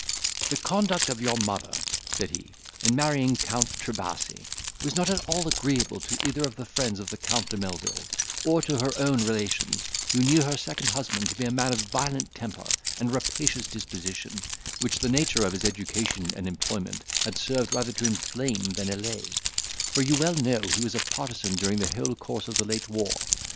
"The conduct of your mother," said he, "in marrying Count Trebasi, was not at all agreeable either to the friends of the Count de Melvil, or to her own relations, who knew her second husband to be a man of a violent temper, and rapacious disposition, which the nature of his education and employment had served rather to inflame than allay; for you well know he was a partisan during the whole course of the late war.